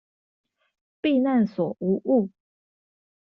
避難所無誤